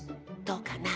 どうかな？